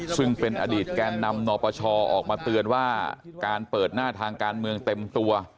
ซึ่งเป็นอดีตแกนนำนปชออกมาเตือนว่าการเปิดหน้าทางการเมืองเต็มตัว